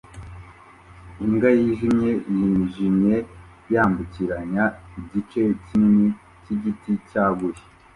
Imbwa yijimye yijimye yambukiranya igice kinini cyigiti cyaguye